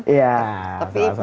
iya salah satunya